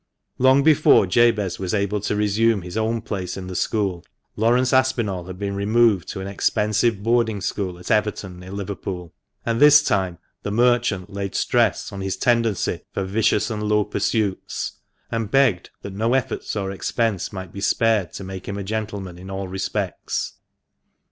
Long before Jabez was able to resume his own place in the school, Laurence Aspinall had been removed to an expensive boarding school at Everton, near Liverpool ; and this time the merchant laid stress on his tendency " for vicious and low pursuits," and begged that no efforts or expense might be spared to make him a gentleman in all respects.